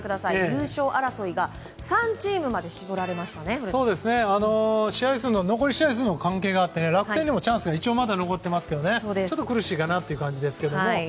優勝争いが３チームまで残り試合数の関係もあって楽天にもチャンスがまだ一応残っていますがちょっと苦しいかなという感じですけども。